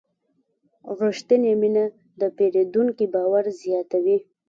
رښتینې ژمنه د پیرودونکي باور زیاتوي.